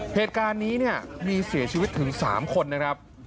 เหตุการณ์นี้เนี่ยมีเสียชีวิตถึง๓คนนะครับ